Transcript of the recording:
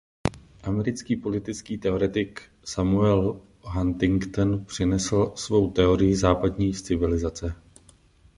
Americký politický teoretik Samuel Huntington přinesl svou teorii západní civilizace.